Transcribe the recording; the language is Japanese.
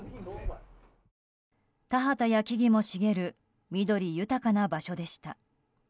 田畑や木々も茂る緑豊かな場所でした。